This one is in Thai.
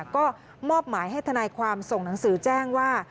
ก็มอบหมายให้ทนายความส่งหนังสือแจ้งว่า